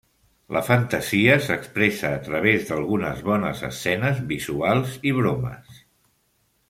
La fantasia s'expressa a través d'algunes bones escenes visuals i bromes.